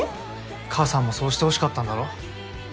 母さんもそうしてほしかったんだろ？